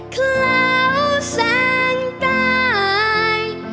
เคลาแสงใต้